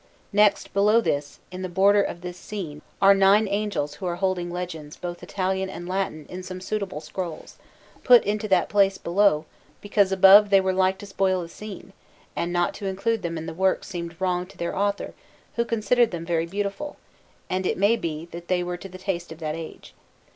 Next, below this, in the border of this scene, are nine angels who are holding legends both Italian and Latin in some suitable scrolls, put into that place below because above they were like to spoil the scene, and not to include them in the work seemed wrong to their author, who considered them very beautiful; and it may be that they were to the taste of that age.